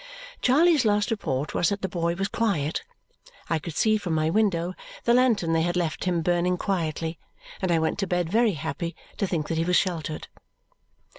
Charley's last report was that the boy was quiet. I could see, from my window, the lantern they had left him burning quietly; and I went to bed very happy to think that he was sheltered.